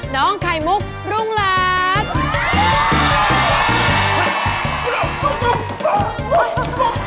น้องไข่มุกรุงลักษณ์